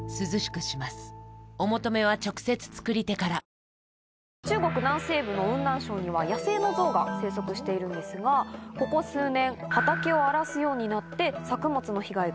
次回は中国南西部の雲南省には野生のゾウが生息しているんですがここ数年畑を荒らすようになって。